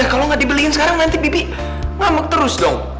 kalau nggak dibeliin sekarang nanti bibi ngambek terus dong